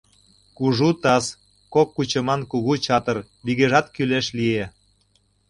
Кужу таз, кок кучеман кугу чатыр — вигежат кӱлеш лие.